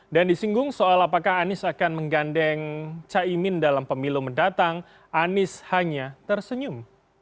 dan disinggung soal apakah anies akan menggandeng caimin dalam pemilu mendatang anies hanya tersenyum